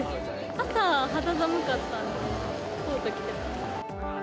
朝、肌寒かったんで、コート着てたんですけど。